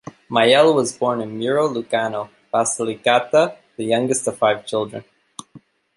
Majella was born in Muro Lucano, Basilicata, the youngest of five children.